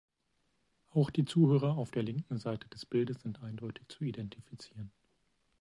Auch die Zuhörer auf der linken Seite des Bildes sind eindeutig zu identifizieren.